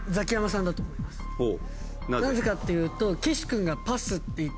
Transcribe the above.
なぜかっていうと。